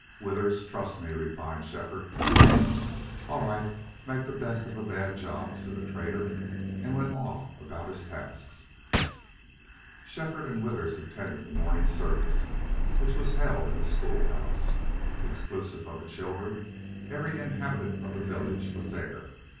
"Withers, trust me," replied Shefford. "All right. Make the best of a bad job," said the trader, and went off about his tasks. Shefford and Withers attended the morning service, which was held in the school house. Exclusive of the children every inhabitant of the village was there.